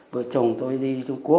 vừa chồng tôi đi trung quốc